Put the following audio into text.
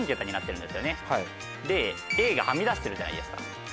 Ａがはみ出してるじゃないですか。